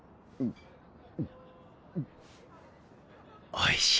おいしい。